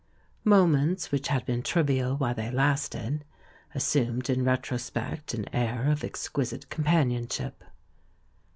Moments which had been trivial while they lasted assumed in retrospect an air of ex quisite companionship.